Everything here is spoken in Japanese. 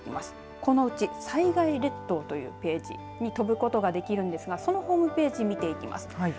このうち災害列島というページに飛ぶことができるんですがそのホームページ見ていきます。